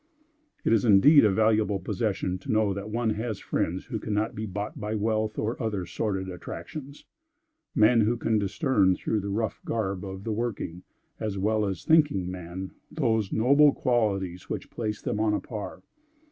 It is indeed a valuable possession to know that one has friends who cannot be bought by wealth or other sordid attractions; men, who can discern through the rough garb of the working, as well as thinking man, those noble qualities which place them on a par.